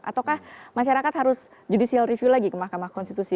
ataukah masyarakat harus judicial review lagi ke mahkamah konstitusi